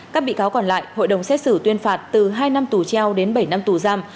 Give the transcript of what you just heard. các bị cáo còn lại hội đồng xét xử tuyên phạt từ hai năm tù treo đến bảy năm tù giam